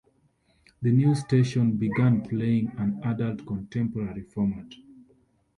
The new station began playing an Adult Contemporary format.